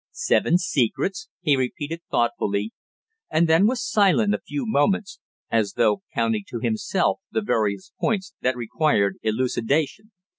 "Seven secrets!" he repeated thoughtfully, and then was silent a few moments, as though counting to himself the various points that required elucidation.